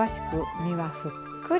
身は、ふっくら。